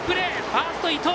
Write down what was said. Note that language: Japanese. ファースト、伊藤！